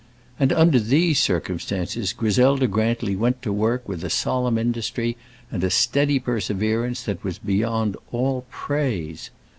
And, under these circumstances, Griselda Grantly went to work with a solemn industry and a steady perseverance that was beyond all praise.